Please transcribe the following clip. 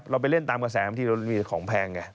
เราไปเล่นตามกระแสที่มีของแพงกัน